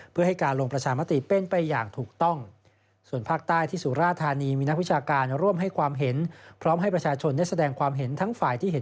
เพื่อให้การลงประชามติเป็นไปอย่างถูกต้อง